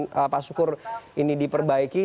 saya ingin pak syukur ini diperbaiki